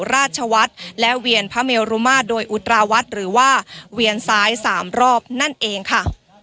ราชวัฒน์และเวียนพระเมรุมาตรโดยอุตราวัดหรือว่าเวียนซ้าย๓รอบนั่นเองค่ะ